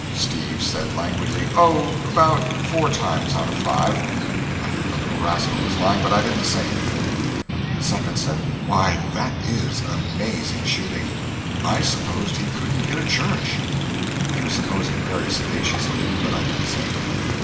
Steve said languidly, "Oh, about four times out of five." I knew the little rascal was lying, but I didn't say anything. The second said, "Why, that is amazing shooting; I supposed he couldn't hit a church." He was supposing very sagaciously, but I didn't say anything.